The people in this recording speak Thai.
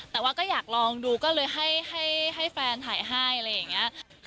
แต่ว่าก็อยากลองดูก็เลยให้แฟนถ่ายให้อะไรอย่างนี้